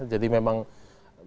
jadi memang ya